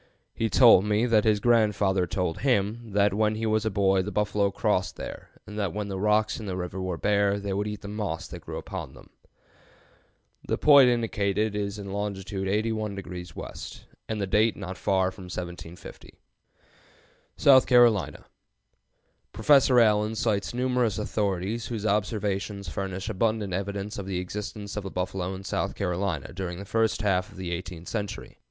He told me that his grandfather told him that when he was a boy the buffalo crossed there, and that when the rocks in the river were bare they would eat the moss that grew upon them." The point indicated is in longitude 81° west and the date not far from 1750. SOUTH CAROLINA. Professor Allen cites numerous authorities, whose observations furnish abundant evidence of the existence of the buffalo in South Carolina during the first half of the eighteenth century.